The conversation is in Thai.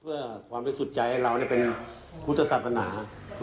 เพื่อความรู้สึกใจให้เราเป็นพุทธศาสนา